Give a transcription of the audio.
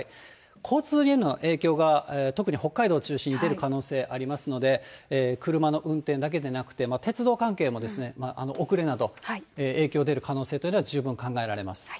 交通への影響が、特に北海道を中心に出る可能性ありますので、車の運転だけでなくて、鉄道関係も遅れなど、影響出る可能性というのは十分考えられます。